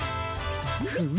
フム。